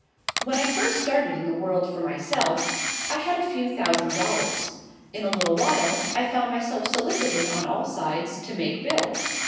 When I first started in the world for myself, I had a few thousand dollars. In a little while, I found myself solicited on all sides to make bills.